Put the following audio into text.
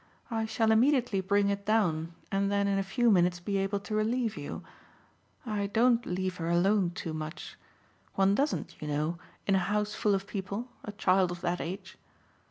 I shall immediately bring it down and then in a few minutes be able to relieve you, I don't leave her alone too much one doesn't, you know, in a house full of people, a child of that age.